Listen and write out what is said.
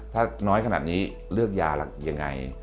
ถ้าน้อยขนาดนี้เลือกยายังไง